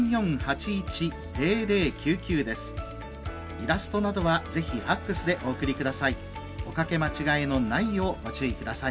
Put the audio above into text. イラストなどはぜひファックスでお送りください。